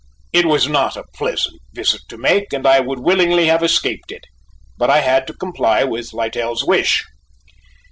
It was not a pleasant visit to make and I would willingly have escaped it, but I had to comply with Littell's wish.